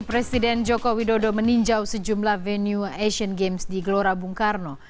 presiden joko widodo meninjau sejumlah venue asian games di gelora bung karno